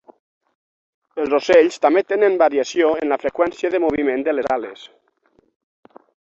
Els ocells també tenen variació en la freqüència de moviment de les ales.